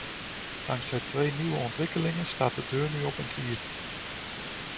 Dankzij twee nieuwe ontwikkelingen staat de deur nu op een kier.